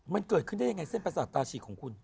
มันเกิดขึ้นได้ยังไงเส้นประสาทตาฉีกของคุณ